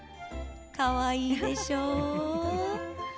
かわいいでしょう？